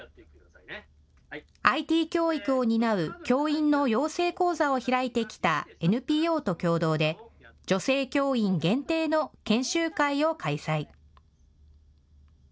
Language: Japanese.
ＩＴ教育を担う教員の養成講座を開いてきたＮＰＯと共同で女性教員限定の研修会を開催。